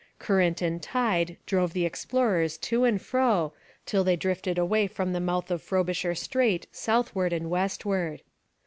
Current and tide drove the explorers to and fro till they drifted away from the mouth of Frobisher Strait southward and westward.